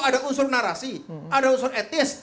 ada unsur narasi ada unsur etis